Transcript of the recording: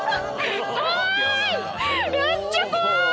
めっちゃ怖い！